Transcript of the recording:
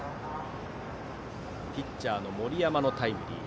ピッチャーの森山のタイムリー。